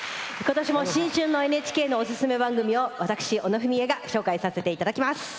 ことしも新春のＮＨＫのオススメ番組を私、小野文惠が紹介させていただきます。